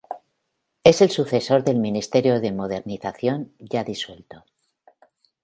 Es el sucesor del Ministerio de Modernización, ya disuelto.